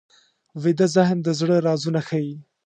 ویده ذهن د زړه رازونه ښيي